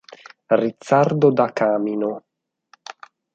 Rizzardo da Camino